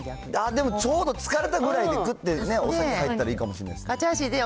でもちょうど疲れたくらいで、ぐっとお酒入ったらいいかもしれないです。